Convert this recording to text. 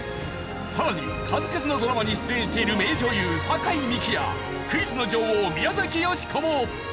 さらに数々のドラマに出演している名女優酒井美紀やクイズの女王宮崎美子も。